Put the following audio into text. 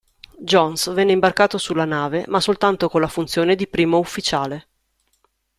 Jones venne imbarcato sulla nave ma soltanto con la funzione di primo ufficiale.